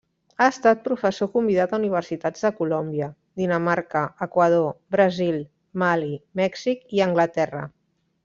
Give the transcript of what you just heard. Ha estat professor convidat a universitats de Colòmbia, Dinamarca, Equador, Brasil, Mali, Mèxic i Anglaterra.